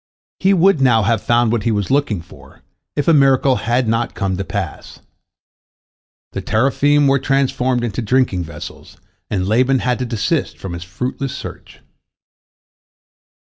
He would now have found what he was looking for, if a miracle had not come to pass. The teraphim were transformed into drinking vessels, and Laban had to desist from his fruitless search.